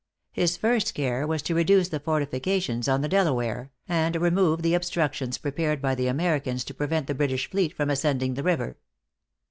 His first care was to reduce the fortifications on the Delaware, and remove the obstructions prepared by the Americans to prevent the British fleet from ascending the river.